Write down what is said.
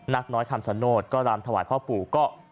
นักน้อยคำสโนธก็รำถวายพ่อปู่ก็